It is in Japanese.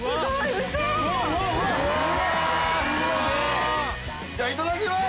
ウソ⁉じゃあいただきます！